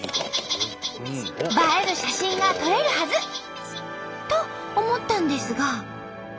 映える写真が撮れるはず！と思ったんですが。